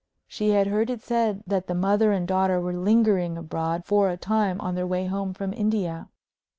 She had heard it said that the mother and daughter were lingering abroad for a time on their way home from India.